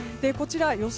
予想